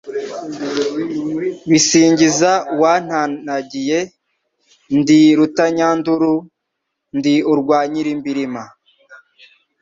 Bisingiza uwantanagiye. Ndi rutanyanduru, ndi urwa Nyilimbirima,